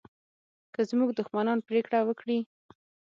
که زموږ دښمنان پرېکړه وکړي